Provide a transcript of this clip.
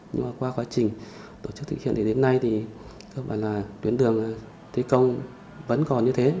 nhưng qua quá trình tổ chức thực hiện đến nay thì tuyến đường thi công vẫn còn như thế